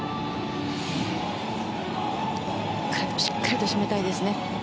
最後、しっかり締めたいですね。